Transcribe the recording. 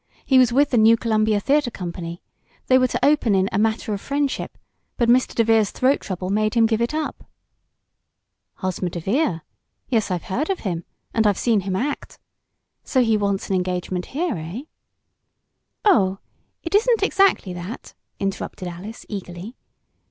"He was with the New Columbia Theatre Company. They were to open in 'A Matter of Friendship,' but Mr. DeVere's throat trouble made him give it up." "Hosmer DeVere! Yes, I've heard of him, and I've seen him act. So he wants an engagement here; eh?" "Oh, it isn't exactly that!" interrupted Alice, eagerly.